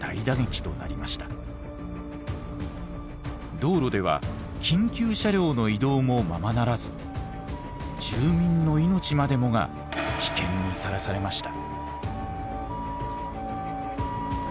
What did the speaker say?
道路では緊急車両の移動もままならず住民の命までもが危険にさらされました。